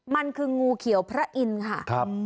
มันคืองูเขียวพระอินทร์ค่ะ